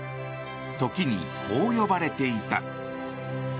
時に、こう呼ばれていた。